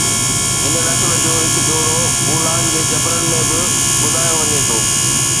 هن نسل جو هڪ جوڙو بولان جي جبلن ۾ به ٻڌايو وڃي ٿو